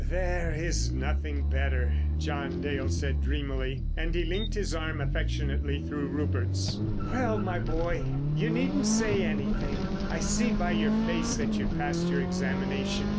"There is nothing better," John Dale said dreamily. And he linked his arm affectionately through Rupert's. "Well, my boy, you needn't say anything, I see by your face that you've passed your examination.